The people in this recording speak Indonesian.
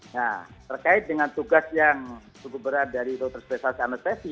nah terkait dengan tugas yang cukup berat dari dokter spesialis anestesi